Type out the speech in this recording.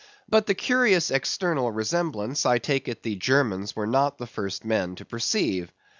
But the curious external resemblance, I take it the Germans were not the first men to perceive.